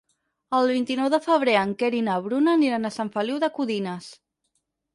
El vint-i-nou de febrer en Quer i na Bruna aniran a Sant Feliu de Codines.